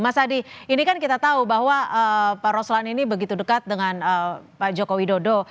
mas adi ini kan kita tahu bahwa pak roslan ini begitu dekat dengan pak joko widodo